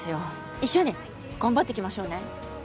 一緒に頑張っていきましょうね。